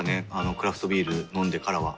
クラフトビール飲んでからは。